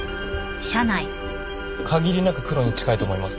限りなくクロに近いと思います。